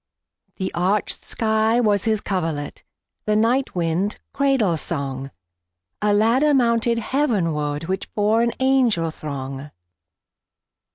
The arched sky was his coverlet, The night wind cradle song;A ladder mounted heavenwardWhich bore an angel throng.